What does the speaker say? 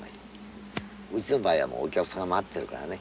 うちの場合はもうお客さんが待ってるからね。